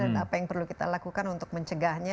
dan apa yang perlu kita lakukan untuk mencegahnya